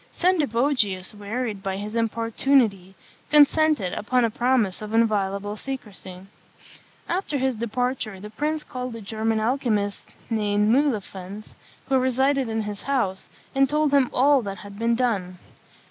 Sendivogius, wearied by his importunity, consented, upon a promise of inviolable secrecy. After his departure, the prince called a German alchymist, named Muhlenfels, who resided in his house, and told him all that had been done.